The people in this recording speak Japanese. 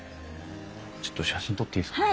ちょっと写真撮っていいですか？